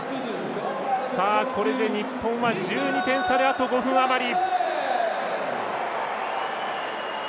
これで日本は１２点差であと５分余り。